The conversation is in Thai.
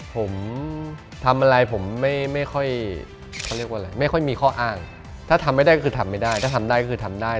ผมทำอะไรผมไม่ค่อยไม่ค่อยมีข้ออ้างถ้าทำไม่ได้คือทำไม่ได้ถ้าทำได้คือทำได้